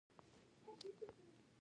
ایا زه انټي بیوټیک وخورم؟